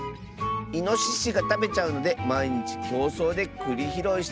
いのししがたべちゃうのでまいにちきょうそうでくりひろいしてたみたいだよ。